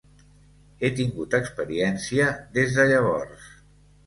He tingut experiència des de llavors.